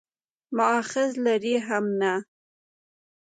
مأخذ لري هم نه.